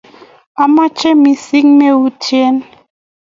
Achamin missing', me utye.